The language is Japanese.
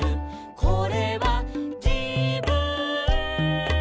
「これはじぶん」